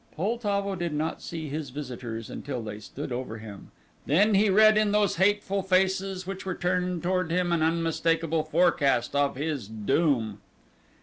Poltavo did not see his visitors until they stood over him, then he read in those hateful faces which were turned toward him an unmistakable forecast of his doom.